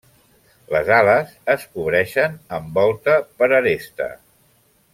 Les ales es cobreixen amb volta per aresta.